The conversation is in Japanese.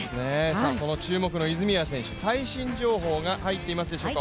その注目の泉谷選手、最新情報が入ってますでしょうか。